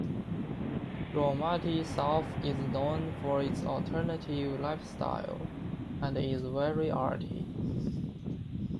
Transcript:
Raumati South is known for its alternative lifestyle, and is very arty.